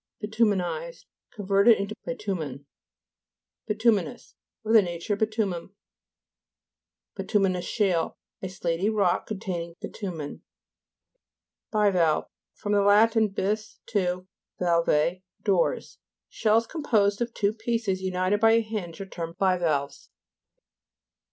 BITU'MENIZED Converted into bi tu'men. BITU'MINOUS Of the nature of bi tumen. BITU'MISTOUS SHALE A slaty rock containing bitumen. BI'VALVE fr. lat. bis, two, valvae, doors. Shells composed of two pieces united by a hinge are termed bivalves.